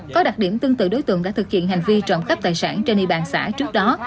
có đặc điểm tương tự đối tượng đã thực hiện hành vi trộm cắp tài sản trên địa bàn xã trước đó